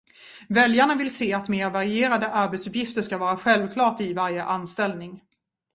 Väljarna vill se att mer varierade arbetsuppgifter ska vara självklart i varje anställning.